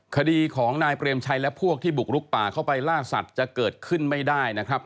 คดีของนายเปรมชัยและพวกที่บุกลุกป่าเข้าไปล่าสัตว์จะเกิดขึ้นไม่ได้นะครับ